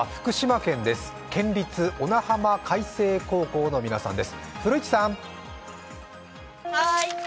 県立小名浜海星高校の皆さんです。